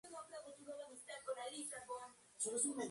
Es la topología más simple, con conectividad limitada a dos elementos.